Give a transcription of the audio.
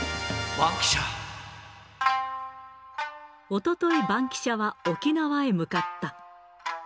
おととい、バンキシャは沖縄へ向かった。